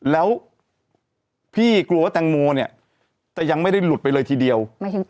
แล้วพี่กลัวว่าแตงโมเนี่ยจะยังไม่ได้หลุดไปเลยทีเดียว